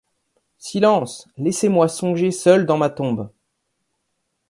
Silence ! laissez-moi songer seul dans ma tombe.